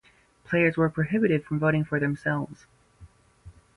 Players were prohibited from voting for themselves.